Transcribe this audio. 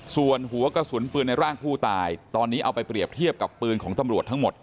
ส่วนหัวกระสุนปืนในร่างผู้ตายตอนนี้เอาไปเปรียบเทียบกับปืนของตำรวจทั้งหมด